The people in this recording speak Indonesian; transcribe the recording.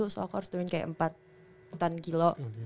so aku harus turunin kayak empat ton kilo